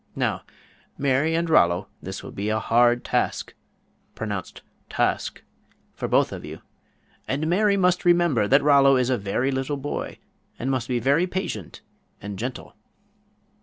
Now, Mary and Rollo, this will be a hard task (pronounced tawsk) for both of you, and Mary must remember that Rollo is a very little boy, and must be very patient and gentle."